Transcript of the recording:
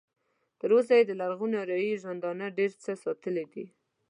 تر اوسه یې د لرغوني اریایي ژوندانه ډېر څه ساتلي دي.